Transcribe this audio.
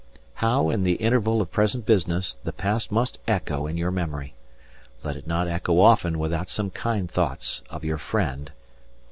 How, in the intervals of present business, the past must echo in your memory! Let it not echo often without some kind thoughts of your friend, R.L.